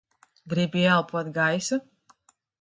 Gribi ieelpot gaisu?